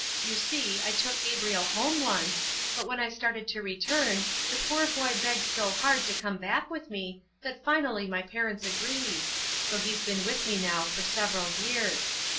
You see, I took Gabriel home once, but when I started to return, the poor boy begged so hard to come back with me that finally my parents agreed; so he's been with me now for several years.